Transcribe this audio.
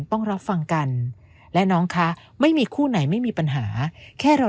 ต้องรับฟังกันและน้องคะไม่มีคู่ไหนไม่มีปัญหาแค่เรา